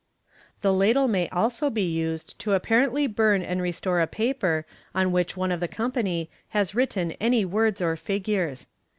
The ladle may also be used to apparently burn and restore a paper on which one of the company has written any words or figures.